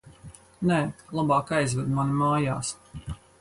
Nē, labāk aizved mani mājās.